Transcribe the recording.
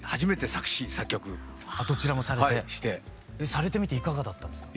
されてみていかがだったんですか？